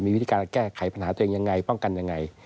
มีวิธีการแก้ไขปัญหาตัวเองยังไงป้องกันยังไง